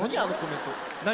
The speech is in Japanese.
何？